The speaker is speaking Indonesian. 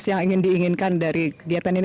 yang ingin diinginkan dari kegiatan ini